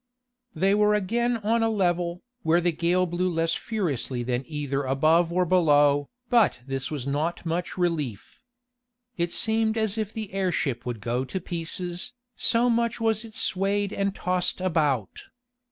They were again on a level, where the gale blew less furiously than either above or below, but this was not much relief. It seemed as if the airship would go to pieces, so much was it swayed and tossed about.